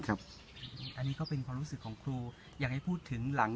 อันนี้ก็เป็นความรู้สึกของครูอยากให้พูดถึงหลัง